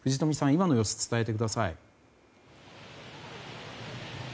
今の様子を伝えてください。